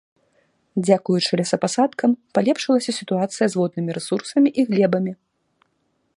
Дзякуючы лесапасадкам, палепшылася сітуацыя з воднымі рэсурсамі і глебамі.